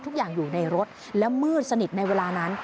ทุกอย่างอยู่ในรถและมืดสนิทในเวลานั้น